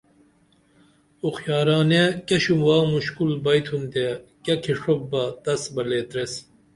اُخیارانے کیہ شوباں مُشکول بیئتُھن تے کیہ کِھڜوپ بہ تس بہ لیتریس